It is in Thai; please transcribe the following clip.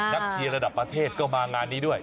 เชียร์ระดับประเทศก็มางานนี้ด้วย